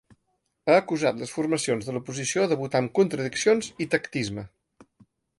Ha acusat les formacions de l’oposició de votar amb ‘contradiccions’ i ‘tactisme’.